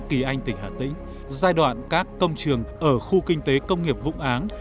kỳ anh tỉnh hà tĩnh giai đoạn các công trường ở khu kinh tế công nghiệp vũng áng